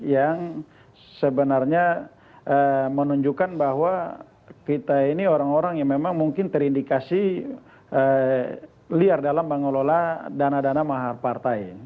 yang sebenarnya menunjukkan bahwa kita ini orang orang yang memang mungkin terindikasi liar dalam mengelola dana dana mahar partai